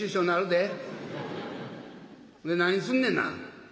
で何すんねんな？」。